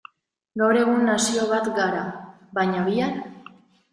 Gaur egun nazio bat gara, baina bihar?